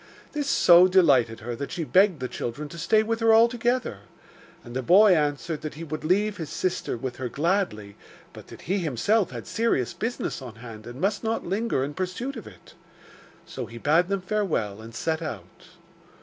This so delighted her that she begged the children to stay with her altogether, and the boy answered that he would leave his sisters with her gladly, but that he himself had serious business on hand and must not linger in pursuit of it. So he bade them farewell and set out.